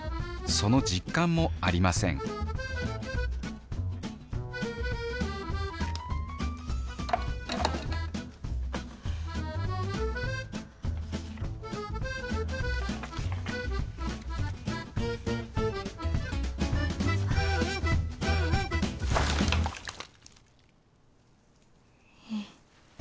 その実感もありませんえ。